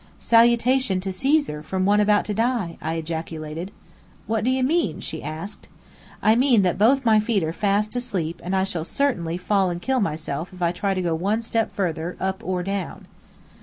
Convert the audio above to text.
"Salutation to Caesar from one about to die!" I ejaculated. "What do you mean?" she asked. "I mean that both my feet are fast asleep, and I shall certainly fall and kill myself if I try to go one step further, up or down."